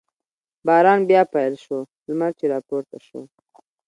باران بیا پیل شو، لمر چې را پورته شو.